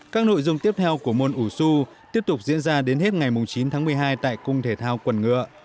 các nội dung tiếp theo của môn ủ xu tiếp tục diễn ra đến hết ngày chín tháng một mươi hai tại cung thể thao quần ngựa